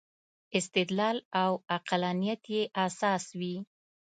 استدلال او عقلانیت یې اساس وي.